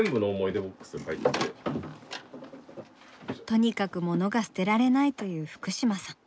とにかく物が捨てられないという福島さん。